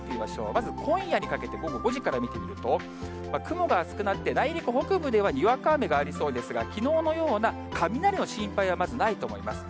まず今夜にかけて、午後５時から見てみると、雲が薄くなって、内陸北部ではにわか雨がありそうですが、きのうのような雷の心配はまずないと思います。